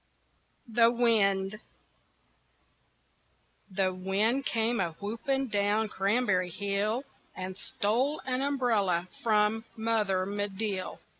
THE WIND The wind came a whooping, down Cranberry Hill And stole an umbrella from, Mother Medill.